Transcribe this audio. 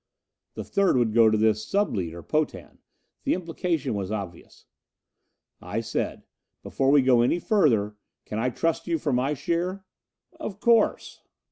The third would go to this sub leader, Potan! The implication was obvious. I said, "Before we go any further I can trust you for my share?" "Of course."